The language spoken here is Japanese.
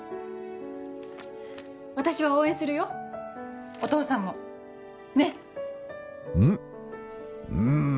私は応援するよお父さんもねっうん？